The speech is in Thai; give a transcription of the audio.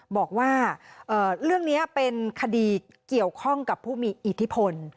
บอกว่าเรื่องนี้เป็นคดีเกี่ยวข้องกับผู้มีอิทธิพล